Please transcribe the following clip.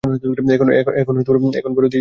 এখন বড় দেরি হইয়া গিয়াছে।